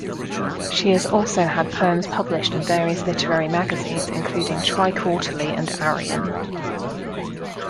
She has also had poems published in various literary magazines including TriQuarterly and Arion.